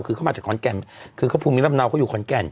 คือเขามาจากขอนแก่นคือเขาภูมิลำเนาเขาอยู่ขอนแก่น